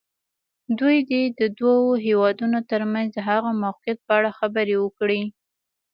دوی دې د دوو هېوادونو تر منځ د هغه موقعیت په اړه خبرې وکړي.